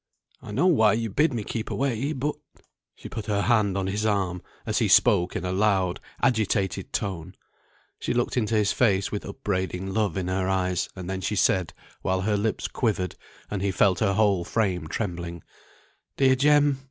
I know why you bid me keep away, but " She put her hand on his arm, as he spoke in a loud agitated tone; she looked into his face with upbraiding love in her eyes, and then she said, while her lips quivered, and he felt her whole frame trembling: "Dear Jem!